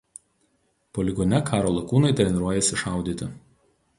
Poligone karo lakūnai treniruojasi šaudyti.